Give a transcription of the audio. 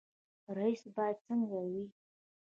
رئیس باید څنګه وي؟